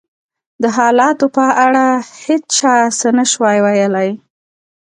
د حالاتو په اړه هېڅ چا څه نه شوای ویلای.